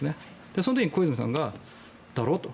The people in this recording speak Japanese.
その時に小泉さんがだろ、と。